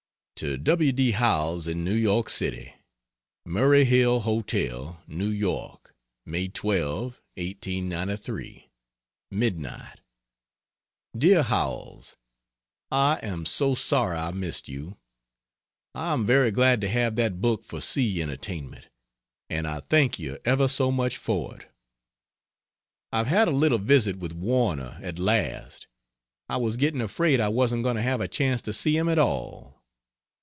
To W. D. Howells, in New York City: MURRAY HILL HOTEL, NEW YORE, May 12, 1893. Midnight. DEAR HOWELLS I am so sorry I missed you. I am very glad to have that book for sea entertainment, and I thank you ever so much for it. I've had a little visit with Warner at last; I was getting afraid I wasn't going to have a chance to see him at all.